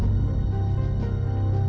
jadi kau jangan p seitego